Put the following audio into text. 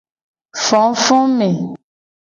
Fofome.